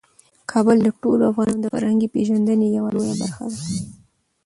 کابل د ټولو افغانانو د فرهنګي پیژندنې یوه لویه برخه ده.